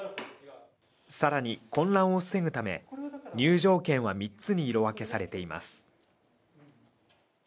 さらに混乱を防ぐため入場券は３つに色分けされています